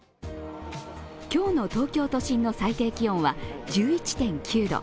今日の東京都心の最低気温は１１．９度。